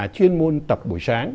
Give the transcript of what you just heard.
chuyên môn tập buổi sáng